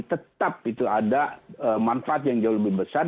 tetap itu ada manfaat yang jauh lebih besar